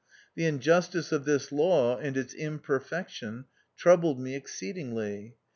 The injustice of this law, and its imperfec tion, troubled me exceedingly.